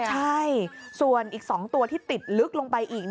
ใช่ส่วนอีก๒ตัวที่ติดลึกลงไปอีก